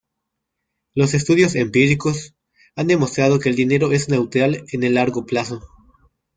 Los estudios empíricos han demostrado que el dinero es neutral en el largo plazo.